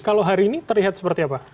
kalau hari ini terlihat seperti apa